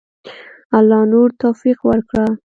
الله نور توفیق ورکړه.